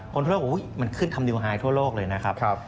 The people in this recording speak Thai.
คนทั่วโลกมันขึ้นทำนิวไฮทั่วโลกเลยนะครับ